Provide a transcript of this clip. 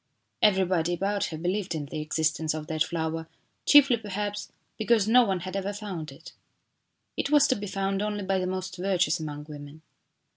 Everybody about her believed in the existence of that flower, chiefly, perhaps because no one had ever found it. It was to be found only by the most virtuous among women.